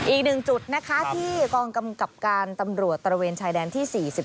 อีกหนึ่งจุดนะคะที่กองกำกับการตำรวจตระเวนชายแดนที่๔๑